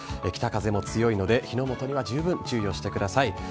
北風も強いので、火の元には十分注意をしてください。